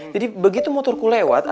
jadi begitu motorku lewat